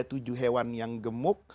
tujuh hewan yang gemuk